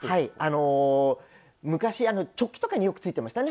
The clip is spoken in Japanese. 昔チョッキとかによくついてましたね。